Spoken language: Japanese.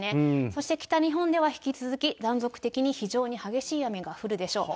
そして北日本では引き続き、断続的に非常に激しい雨が降るでしょう。